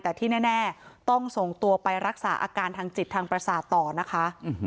แต่ที่แน่ต้องส่งตัวไปรักษาอาการทางจิตทางประสาทต่อนะคะ